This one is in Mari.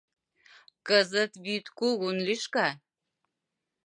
Кызыт вӱд кугун лӱшка